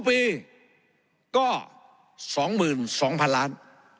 ๒ปีก็๒๒๐๐๐ล้านบาท